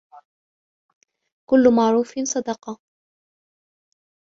كُلُّ مَعْرُوفٍ صَدَقَةٌ